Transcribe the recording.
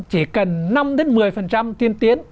chỉ cần năm đến một mươi tiên tiến